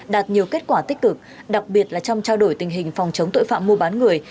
đạt nhiều kết quả tích cực đặc biệt là trong trao đổi tình hình phòng chống tội phạm mua bán người